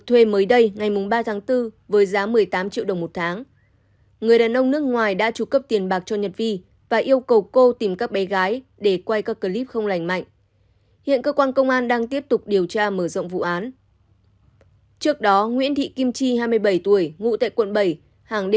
tối ngày ba tháng bốn chị chi và các con ra khu phố này mưu sinh